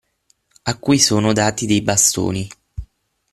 A cui sono dati dei bastoni.